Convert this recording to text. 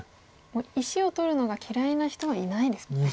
石を取るのが嫌いな人はいないですもんね。